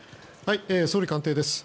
総理官邸です。